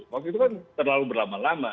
waktu itu kan terlalu berlama lama